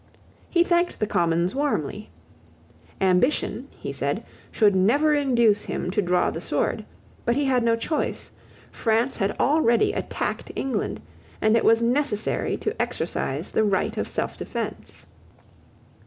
He thanked the Commons warmly. Ambition, he said, should never induce him to draw the sword: but he had no choice: France had already attacked England; and it was necessary to exercise the right of selfdefence.